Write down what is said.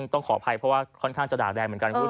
ต้องขออภัยเพราะว่าค่อนข้างจะด่าแรงเหมือนการคุดสม